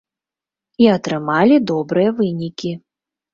І атрымалі добрыя вынікі.